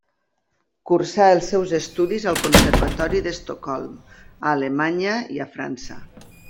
Cursà els seus estudis al Conservatori d'Estocolm, a Alemanya i França.